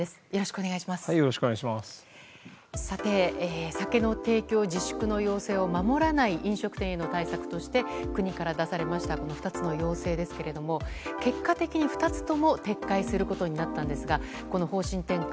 お酒の提供自粛の要請を守らない飲食店への対策として、国から出されました２つの要請ですが結果的に２つとも撤回することになったんですがこの方針転換